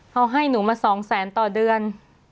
เขาให้หนูมา๒แสนต่อเดือน